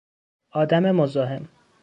آدم مزاحم